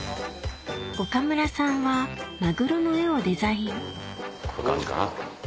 岡村さんはマグロの絵をデザインこういう感じかな。